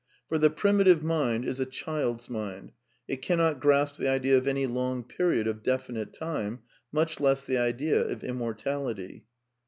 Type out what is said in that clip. For the primitive mind is a child's mind. It cannot grasp the idea of any long period of definite time, much less the idea of immortality.